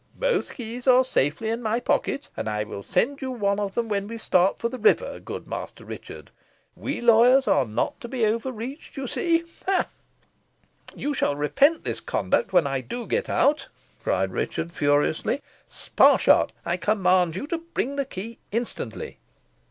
Both keys are safely in my pocket, and I will send you one of them when we start for the river, good Master Richard. We lawyers are not to be overreached you see ha! ha!" "You shall repent this conduct when I do get out," cried Richard, furiously. "Sparshot, I command you to bring the key instantly."